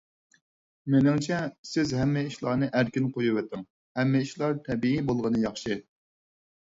مېنىڭچە، سىز ھەممە ئىشلارنى ئەركىن قويۇۋېتىڭ. ھەممە ئىشلار تەبىئىي بولغىنى ياخشى.